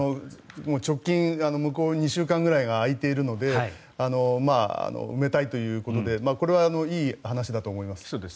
直近向こう２週間くらいが空いているので埋めたいということでこれはいい話だと思います。